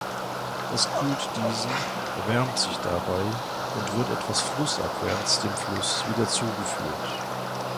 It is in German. Es kühlt diesen, erwärmt sich dabei und wird etwas flussabwärts dem Fluss wieder-zugeführt.